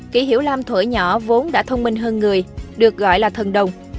kỷ hiểu lam tuổi nhỏ vốn đã thông minh hơn người được gọi là thần đồng